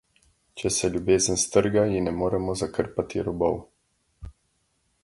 Če se ljubezen strga, ji ne moremo zakrpati robov.